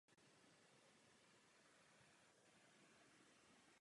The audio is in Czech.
Krom šéfdirigenta mají velké symfonické orchestry také své stálé a hostující dirigenty.